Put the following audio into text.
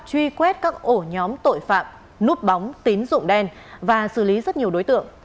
truy quét các ổ nhóm tội phạm núp bóng tín dụng đen và xử lý rất nhiều đối tượng